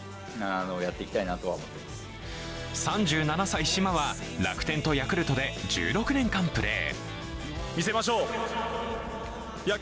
３７歳、嶋は楽天とヤクルトで１６年間プレー。